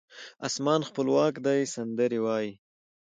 اسمان خپلواک دی سندرې وایې